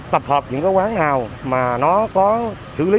tập hợp những cái quán nào mà nó có xử lý